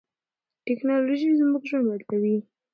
ټیکنالوژي زموږ ژوند بدلوي.